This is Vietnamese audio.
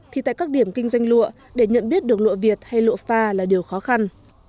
thì tại các điểm kinh doanh lụa để nhận biết được lụa việt hay lụa pha là điều khó khăn